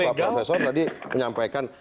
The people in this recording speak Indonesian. pak profesor tadi menyampaikan